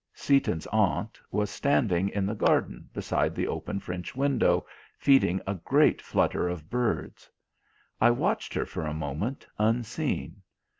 Seaton's aunt was standing in the garden beside the open French window, feeding a great flutter of birds. I watched her for a moment, unseen.